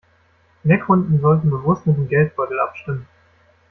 Mehr Kunden sollten bewusst mit dem Geldbeutel abstimmen.